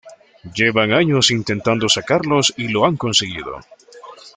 Llevan años intentando sacarlos y lo han conseguido.